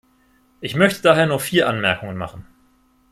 Ich möchte daher nur vier Anmerkungen machen.